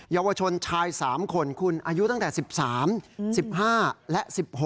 เยาวชนชาย๓คนคุณอายุตั้งแต่๑๓๑๕และ๑๖